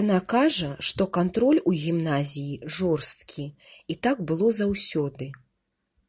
Яна кажа, што кантроль у гімназіі жорсткі, і так было заўсёды.